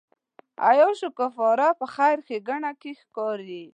عیاشیو کفاره په خیر ښېګڼې کې ښکاري.